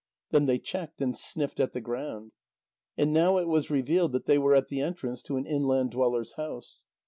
Then they checked, and sniffed at the ground. And now it was revealed that they were at the entrance to an inland dweller's house.